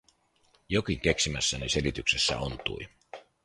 Jokin keksimässäni selityksessä ontui.